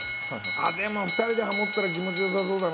あっでも２人でハモったら気持ちよさそうだな。